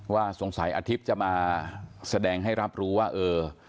ว่าสงสัยอาทิตย์จะมาแสดงให้รับรู้ว่าเออ